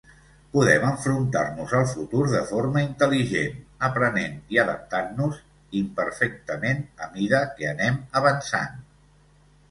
Podem enfrontar-nos al futur de forma intel·ligent, aprenent i adaptant-nos imperfectament a mida que anem avançant